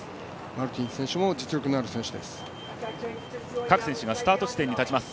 マルティン選手も実力のある選手です。